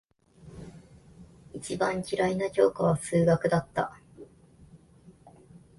一番嫌いな教科は数学だった。